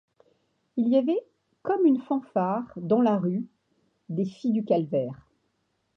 Il y avait comme une fanfare dans la rue des Filles-du-Calvaire.